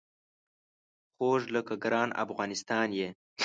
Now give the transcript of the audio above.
خوږ لکه ګران افغانستان یې